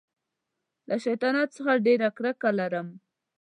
له شیطانت څخه ډېره کرکه لرم.